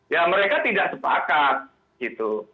ya mereka tidak sepakat gitu